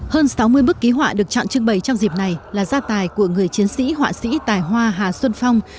hơn sáu mươi bức ký họa được chọn trưng bày trong dịp này là gia tài của người chiến sĩ họa sĩ tài hoa hà xuân phong